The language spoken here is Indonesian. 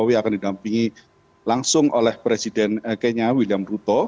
jokowi akan didampingi langsung oleh presiden kenya william ruto